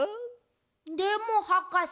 でもはかせ。